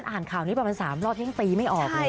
อ่านข่าวนี้ประมาณ๓รอบยังตีไม่ออกเลย